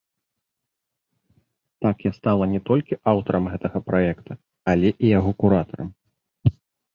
Так я стала не толькі аўтарам гэтага праекта, але і яго куратарам.